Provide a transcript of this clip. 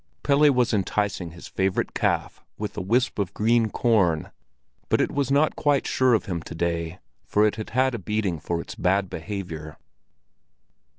Pelle was enticing his favorite calf with a wisp of green corn; but it was not quite sure of him to day, for it had had a beating for bad behavior.